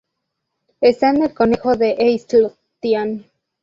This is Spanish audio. Está en el concejo de East Lothian.